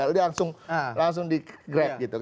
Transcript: dia langsung digrek